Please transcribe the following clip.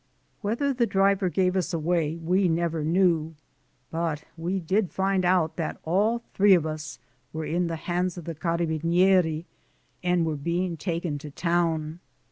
Whether the driver gave us away we never knew, but we did find out that all three of us were in the hands of the "carabinieri" and were being taken to town.